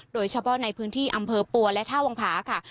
โดยเฉพาะในพื้นที่อำเภอปัวและท่าวังผาค่ะ